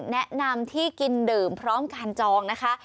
แนะนำที่กินดื่มพร้อมการจองนะคะ